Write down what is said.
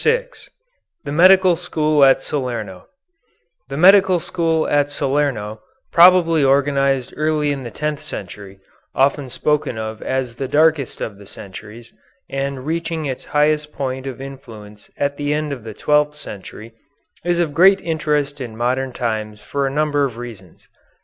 VI THE MEDICAL SCHOOL AT SALERNO The Medical School at Salerno, probably organized early in the tenth century, often spoken of as the darkest of the centuries, and reaching its highest point of influence at the end of the twelfth century, is of great interest in modern times for a number of reasons.